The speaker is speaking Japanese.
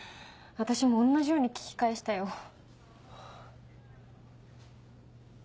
私も同じように聞き返したよ。